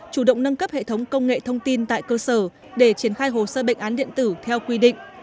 chủ động nâng cấp hệ thống công nghệ thông tin tại cơ sở để triển khai hồ sơ bệnh án điện tử theo quy định